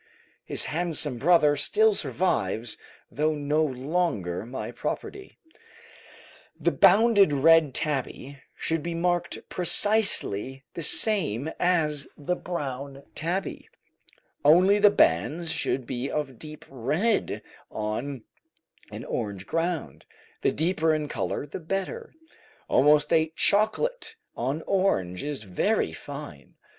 His handsome brother still survives, though no longer my property. The banded red tabby should be marked precisely the same as the brown tabby, only the bands should be of deep red on an orange ground, the deeper in colour the better; almost a chocolate on orange is very fine.